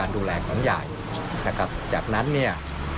โดนมาให้แบบนี้